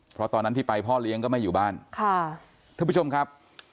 เพราะตอนนั้นที่ไปพ่อเลี้ยงก็ไม่อยู่บ้านค่ะท่านผู้ชมครับ